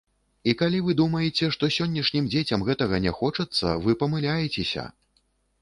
І калі вы думаеце, што сённяшнім дзецям гэтага не хочацца, вы памыляецеся!